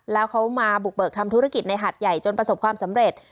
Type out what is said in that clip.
แล้วเขามาบุกเบิกทำธุรกิจในหัดใหญ่จนประสบความสำเร็จ